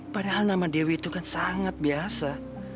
padahal nama dewi itu kan sangat biasa